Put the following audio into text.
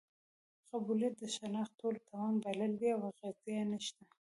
قبیلویت د شناخت ټول توان بایللی دی او اغېز یې نشته.